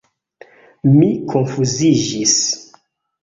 Mi konfuziĝis.